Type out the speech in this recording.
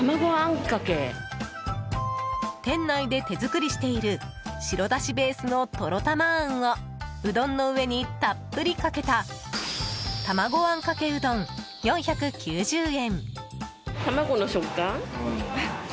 店内で手作りしている白だしベースのとろたまあんをうどんの上にたっぷりかけた玉子あんかけうどん、４９０円。